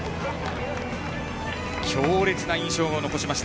強烈な印象を残した。